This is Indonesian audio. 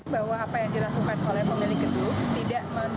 bahwa apa yang dilakukan oleh pemilik gedung